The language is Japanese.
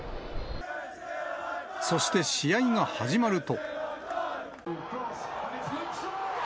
そして試合が始まると。